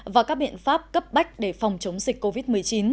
và các biện pháp cấp bách để phòng chống dịch covid một mươi chín